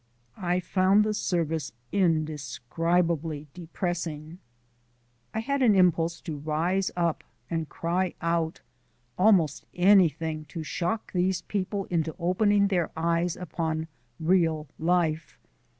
I found the service indescribably depressing. I had an impulse to rise up and cry out almost anything to shock these people into opening their eyes upon real life.